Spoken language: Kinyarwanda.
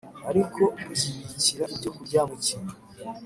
ariko byibikira ibyokurya mu cyi